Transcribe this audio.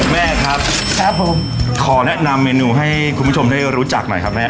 แม่ครับครับผมขอแนะนำเมนูให้คุณผู้ชมได้รู้จักหน่อยครับแม่